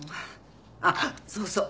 あっそうそう。